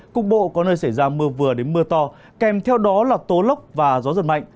cục bộ có nơi xảy ra mưa vừa đến mưa to kèm theo đó là tố lốc và gió giật mạnh